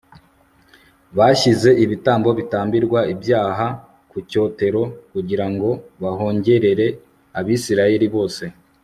bashyize ibitambo bitambirwa ibyaha ku cyotero kugira ngo bahongerere abisirayeli bose